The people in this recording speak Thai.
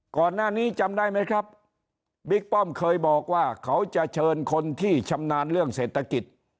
ก่อนหน้านี้จำได้ไหมครับบิ๊กป้อมเคยบอกว่าเขาจะเชิญคนที่ชำนาญเรื่องเศรษฐกิจ